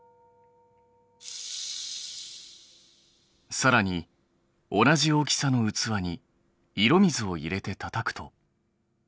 さらに同じ大きさの器に色水を入れてたたくと。